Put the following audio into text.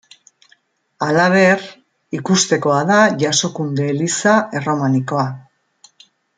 Halaber, ikustekoa da Jasokunde eliza erromanikoa.